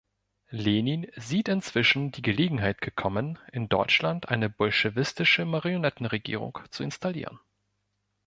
Lenin sieht inzwischen die Gelegenheit gekommen, in Deutschland eine bolschewistische Marionettenregierung zu installieren.